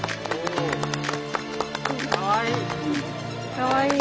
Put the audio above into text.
かわいい。